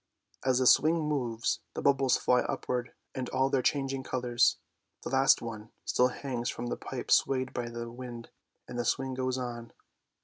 As the swing moves the bubbles fly upwards in all their chang ing colours, the last one still hangs from the pipe swayed by the wind, and the swing goes on.